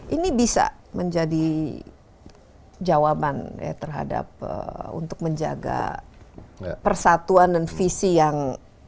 ini bisa menjadi jawaban ya terhadap untuk menjaga persatuan dan visi yang